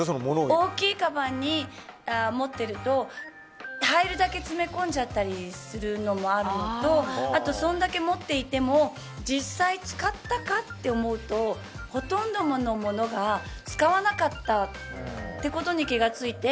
大きいかばんを持っていると入るだけ詰め込んじゃったりするのもあるのとあと、それだけ持っていても実際使ったか？と思うとほとんどのものを使わなかったってことに気が付いて。